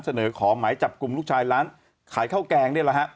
เสนอของหมายจับกุมลูกชายร้านขายข้าวแกงเนี่ย